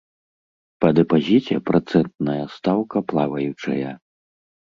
Па дэпазіце працэнтная стаўка плаваючая.